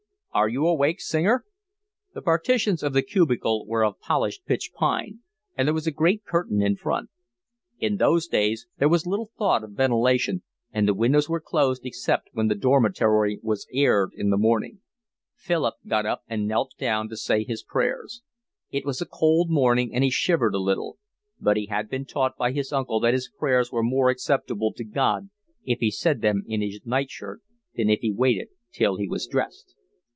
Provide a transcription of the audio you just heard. "Are you awake, Singer?" The partitions of the cubicle were of polished pitch pine, and there was a green curtain in front. In those days there was little thought of ventilation, and the windows were closed except when the dormitory was aired in the morning. Philip got up and knelt down to say his prayers. It was a cold morning, and he shivered a little; but he had been taught by his uncle that his prayers were more acceptable to God if he said them in his nightshirt than if he waited till he was dressed.